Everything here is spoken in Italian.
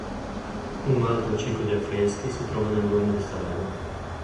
Un altro ciclo di affreschi si trova nel duomo di Sarno.